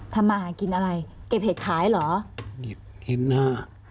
มาหากินอะไรเก็บเห็ดขายเหรอนี่เห็นหน้า